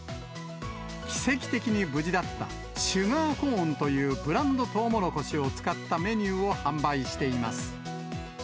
奇跡的に無事だったシュガーコーンというブランドとうもろこしを使ったメニューを販売しています。